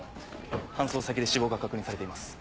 搬送先で死亡が確認されています。